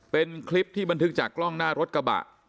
เป็นคลิปที่บันทึกจากกล้องหน้ารถกระบะ